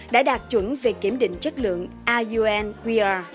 đã đạt chuẩn về kiểm định chất lượng iunqr